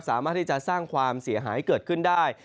สามารถที่จะสร้างความเสียหายเกิดขึ้นได้